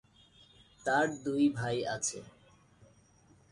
তার দুই ভাই আছে।